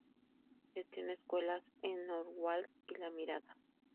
Gestiona escuelas en Norwalk y La Mirada.